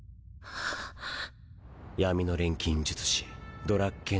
闇の錬金術師ドラッケン・ジョー。